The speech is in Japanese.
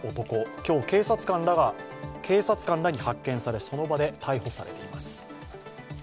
今日、警察官らに発見され、その場で逮捕されています。